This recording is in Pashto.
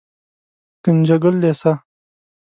ګنجګل لېسه